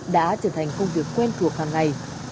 đã trở thành công việc quen thuộc hàng ngày